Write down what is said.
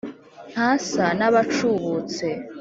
Ntasa n'abacubutse